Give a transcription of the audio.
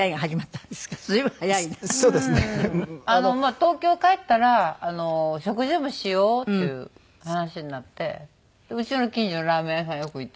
まあ東京帰ったら食事でもしようっていう話になってうちの近所のラーメン屋さんよく行ったりとかね。